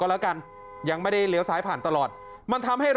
แต่เบ้นก็ยังไม่ไป